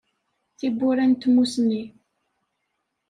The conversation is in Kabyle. Tiwwura n tmussni.